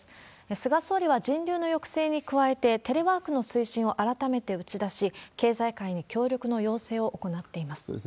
菅総理は人流の抑制に加えて、テレワークの推進を改めて打ち出し、経済界に協力の要請を行っています。